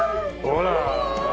ほら。